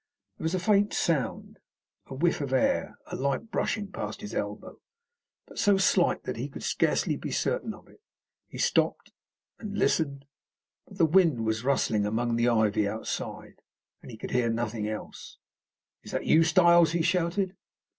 There was a faint sound, a whiff of air, a light brushing past his elbow, but so slight that he could scarcely be certain of it. He stopped and listened, but the wind was rustling among the ivy outside, and he could hear nothing else. "Is that you, Styles?" he shouted.